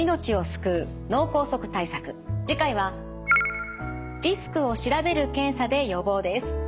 次回はリスクを調べる検査で予防です。